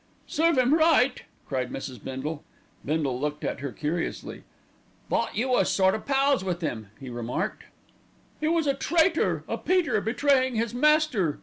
"Serve him right!" cried Mrs. Bindle. Bindle looked at her curiously. "Thought you was sort o' pals with 'im," he remarked. "He was a traitor, a Peter betraying his master."